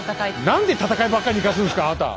何で戦いばっかり行かすんですかあなた。